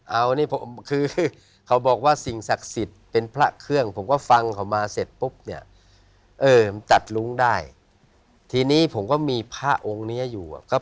เอานี่คือเขาบอกว่าสิ่งศักดิ์สิทธิ์เป็นพระเครื่องผมก็ฟังเขามาเสร็จปุ๊บเนี่ยเออมันตัดลุ้งได้ทีนี้ผมก็มีพระองค์นี้อยู่อ่ะครับ